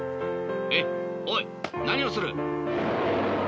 えっおいなにをする？